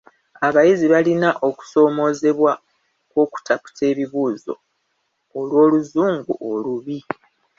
Abayizi balina okusoomoozebwa kw'okutaputa ebibuuzo olw'oluzungu olubi.